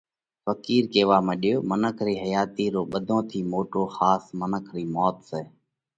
ڦقِير ڪيوا مڏيو: منک رِي حياتِي رو ٻڌون ٿِي موٽو ۿاس منک رئِي موت سئہ۔